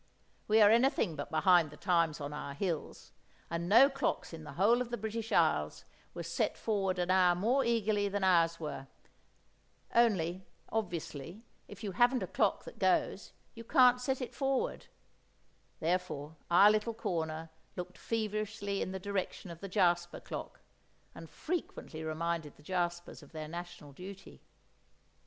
We are anything but behind the times on our hills, and no clocks in the whole of the British Isles were set forward an hour more eagerly than ours were; only, obviously, if you haven't a clock that goes, you can't set it forward; therefore our little corner looked feverishly in the direction of the Jasper clock, and frequently reminded the Jaspers of their national duty.